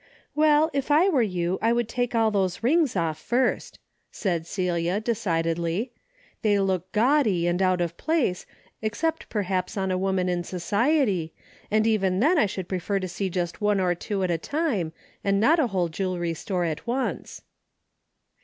"Well, if I were you I would take all those rings off first," said Celia, decidedly. " They look gaudy and out of place, except perhaps on a woman in society, and even then I should prefer to see Just one or two at a time, and not a whole jewelry store at once."